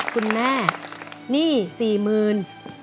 คุณแม่หนี้สี่หมื่น